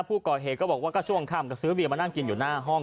ผู้ก่อเหตุก็บอกว่าก็ช่วงค่ำก็ซื้อเบียมานั่งกินอยู่หน้าห้อง